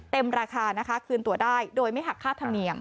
ราคานะคะคืนตัวได้โดยไม่หักค่าธรรมเนียม